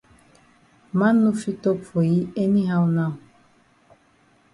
Man no fit tok for yi any how now.